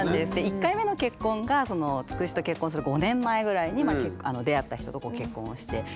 １回目の結婚がつくしと結婚する５年前ぐらいに出会った人と結婚していて。